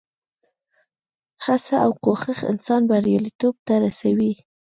هڅه او کوښښ انسان بریالیتوب ته رسوي.